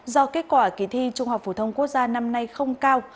do kết quả kỳ thi trung học phổ thông quốc gia năm nay không cao